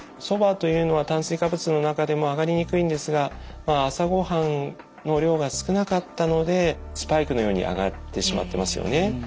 そばというのは炭水化物の中でも上がりにくいんですがまあ朝ご飯の量が少なかったのでスパイクのように上がってしまってますよね。